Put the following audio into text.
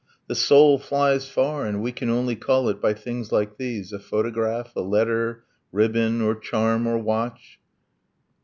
The soul flies far, and we can only call it By things like these ... a photograph, a letter, Ribbon, or charm, or watch